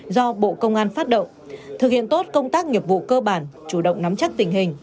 do bộ công an phát động thực hiện tốt công tác nghiệp vụ cơ bản chủ động nắm chắc tình hình